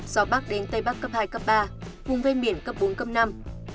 gió bắc đến tây bắc cấp hai cấp ba vùng ven biển cấp bốn cấp năm